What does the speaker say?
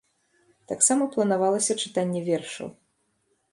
Таксама планавалася чытанне вершаў.